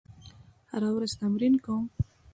هره ورځ تمرین کوم.